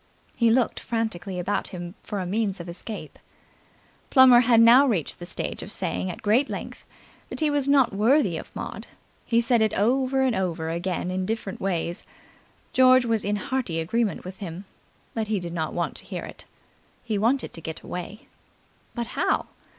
He looked frantically about him for a means of escape. Plummer had now reached the stage of saying at great length that he was not worthy of Maud. He said it over and over, again in different ways. George was in hearty agreement with him, but he did not want to hear it. He wanted to get away. But how?